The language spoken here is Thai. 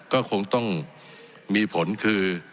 ก็คงต้องมีผลคือ